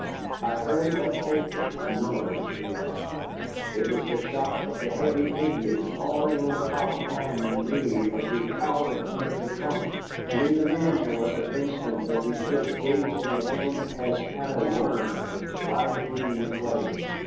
I heard but faintly a noise beyond. It was the shock of the heavy Indian falling on Polly Ann and me as we cowered under the trunk, and even then there was an instant that we stood gazing at him as at a worm writhing in the clay.